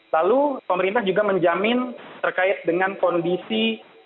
lalu pemerintah juga menjamin terkait dengan kondisi